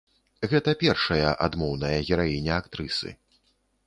Гэта першая адмоўная гераіня актрысы.